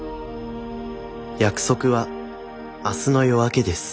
約束は明日の夜明けです